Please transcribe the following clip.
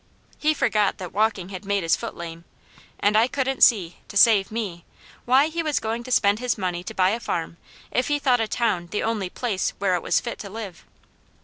He forgot that walking had made his foot lame, and I couldn't see, to save me, why he was going to spend his money to buy a farm, if he thought a town the only place where it was fit to live.